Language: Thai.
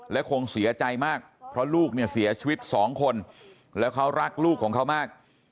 และคงเสียใจมากเพราะลูกเนี่ยเสียชีวิตสองคนแล้วเขารักลูกของเขามาก